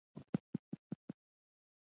مستو هوښیاره وه، د چیني په وفادارۍ پوه شوه.